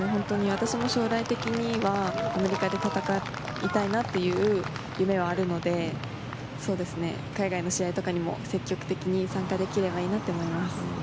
私も将来的にはアメリカで戦いたいなという夢はあるので海外の試合とかにも積極的に参加できればいいなと思います。